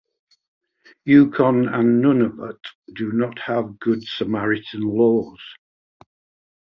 Yukon and Nunavut do not have good Samaritan laws.